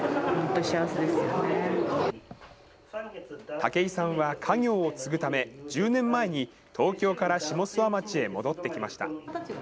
武居さんは家業を継ぐため、１０年前に東京から下諏訪町へ戻ってきました。